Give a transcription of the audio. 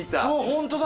ホントだ。